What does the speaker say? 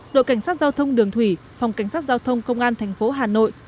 đội cảnh sát giao thông đường thủy phòng cảnh sát giao thông công an tp hà nội